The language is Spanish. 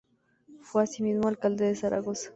Fue asimismo alcalde de Zaragoza.